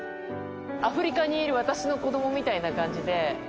アフリカにいる私の子どもみたいな感じで。